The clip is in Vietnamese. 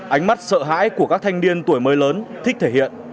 ánh mắt sợ hãi của các thanh niên tuổi mới lớn thích thể hiện